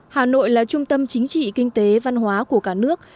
hà nội là trung tâm chính trị kinh tế văn hóa của cả nước